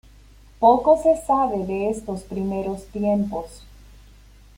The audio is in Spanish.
Poco se sabe de estos primeros tiempos.